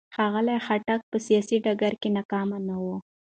ښاغلي خټک په سیاسي ډګر کې ناکامه نه و.